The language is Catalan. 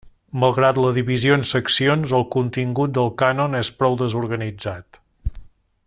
Malgrat la divisió en seccions, el contingut del cànon és prou desorganitzat.